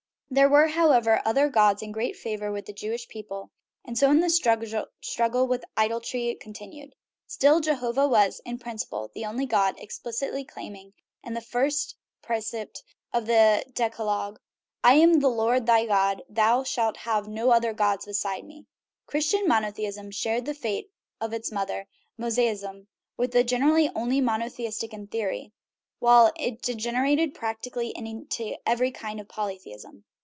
There were, however, other gods in great favor with the Jewish people, and so the struggle with "idolatry" continued. Still, Jehovah was, in princi ple, the only God, explicitly claiming, in the first pre cept of the decalogue :" I am the Lord thy God ; thou shalt have no other gods beside me." Christian monotheism shared the fate of its moth er, Mosaism; it was generally only monotheistic in theory, while it degenerated practically into every kind of polytheism.